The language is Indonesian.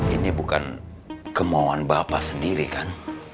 ini bukan kemauan bapak sendiri kan